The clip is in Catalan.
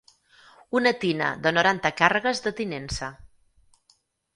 Una tina de noranta càrregues de tinença.